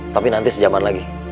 tapi nanti sejaman lagi